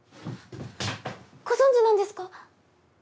ご存じなんですか？